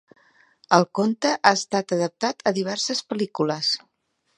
El conte ha estat adaptat a diverses pel·lícules.